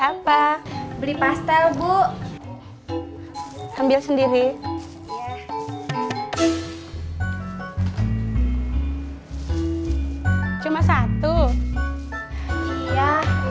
apa beli pastel bu sambil sendiri cuman satu iya